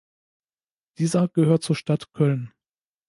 Dieser gehört zur Stadt Köln.